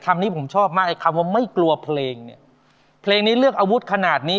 คำนี้ผมชอบมากไอ้คำว่าไม่กลัวเพลงเนี่ยเพลงนี้เลือกอาวุธขนาดนี้